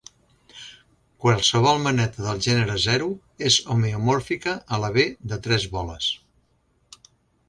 Qualsevol maneta del gènere zero és homeomòrfica a la B de tres boles.